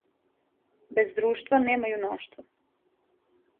Без друштва нема јунаштва.